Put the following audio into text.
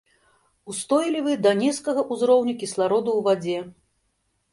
Устойлівы да нізкага узроўню кіслароду ў вадзе.